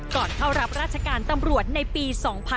เข้ารับราชการตำรวจในปี๒๕๕๙